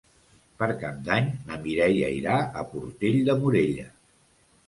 Per Cap d'Any na Mireia irà a Portell de Morella.